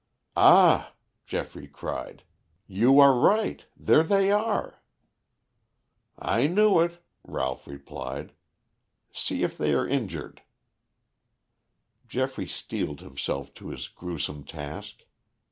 "Ah," Geoffrey cried, "you are right. There they are." "I knew it," Ralph replied. "See if they are injured." Geoffrey steeled himself to his gruesome task.